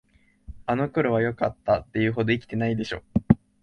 あの頃はよかった、って言うほど生きてないでしょ。